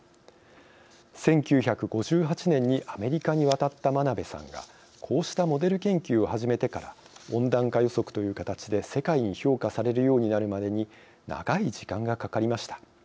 １９５８年にアメリカに渡った真鍋さんがこうしたモデル研究を始めてから温暖化予測という形で世界に評価されるようになるまでに長い時間がかかりました。